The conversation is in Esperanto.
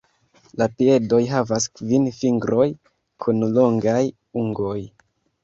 La piedoj havas kvin fingroj kun longaj ungoj.